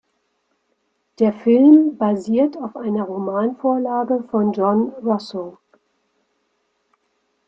Der Film basiert auf einer Romanvorlage von John Russo.